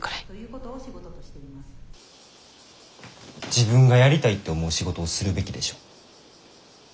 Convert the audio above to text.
自分がやりたいって思う仕事をするべきでしょ。